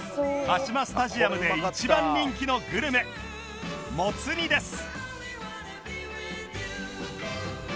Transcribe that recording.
カシマスタジアムで一番人気のグルメもつ煮です